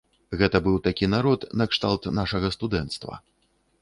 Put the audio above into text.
Гэта быў такі народ накшталт нашага студэнцтва.